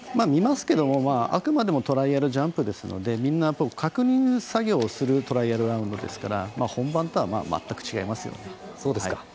見ますけれどもあくまでもトライアルジャンプですのでみんな確認作業をするトライアルラウンドですから本番とは全く違いますよね。